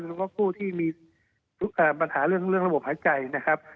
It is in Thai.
หรือว่าผู้ที่มีปัญหาเรื่องระบบหายใจนะครับ